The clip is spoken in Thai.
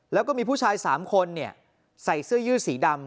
แล้วก็มีผู้ชาย๓คนใส่เสื้อยืดสีดำ